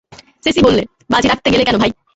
CC বললে, বাজি রাখতে গেলে কেন ভাই।